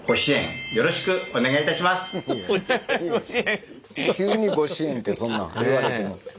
ぜひ急にご支援ってそんなん言われても。